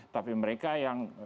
tapi mereka yang